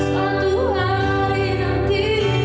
satu hari nanti